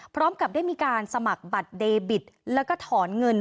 พร้อมกับได้มีการสมัครบัตรเดบิตแล้วก็ถอนเงิน